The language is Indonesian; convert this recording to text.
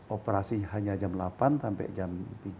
operasi hanya jam delapan sampai jam tiga